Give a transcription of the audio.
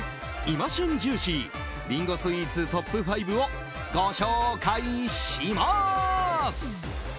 今旬ジューシーリンゴスイーツトップ５をご紹介します。